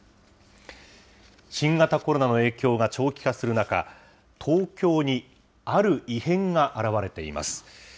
新型コロナの影響が長期化する中、東京にある異変が現れています。